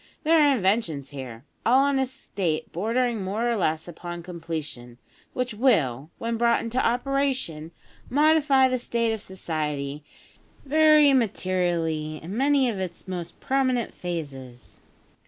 There are inventions here, all in a state bordering more or less upon completion, which will, when brought into operation, modify the state of society very materially in many of its most prominent phases.